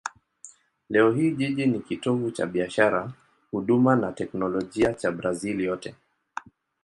Leo hii jiji ni kitovu cha biashara, huduma na teknolojia cha Brazil yote.